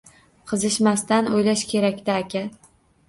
Qizishmasdan o‘ylash kerak-da aka